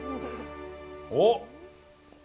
おっ！